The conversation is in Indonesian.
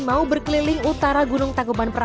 mau berkeliling utara gunung tangkuban